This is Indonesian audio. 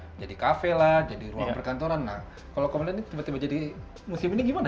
menjadi kafe lah jadi ruang perkantoran nah kalau kemudian ini tiba tiba jadi musim ini gimana